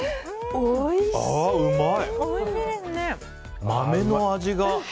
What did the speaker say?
おいしい！